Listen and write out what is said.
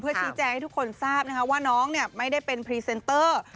ชี้แจงให้ทุกคนทราบนะคะว่าน้องไม่ได้เป็นพรีเซนเตอร์